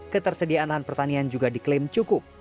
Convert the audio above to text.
ketersediaan lahan pertanian juga diklaim cukup